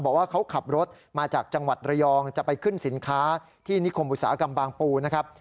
บอกว่าเขาขับรถมาจากจังหวัดระยองจะไปขึ้นสินค้าที่นิคมอุตสาหกรรมบางปูนะครับ